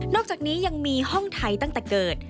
อกจากนี้ยังมีห้องไทยตั้งแต่เกิด